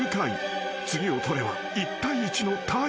［次を取れば１対１のタイ］